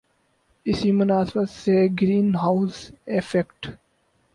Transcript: اسی مناسبت سے گرین ہاؤس ایفیکٹ